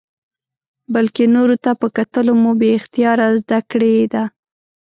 بلکې نورو ته په کتلو مو بې اختیاره زده کړې ده.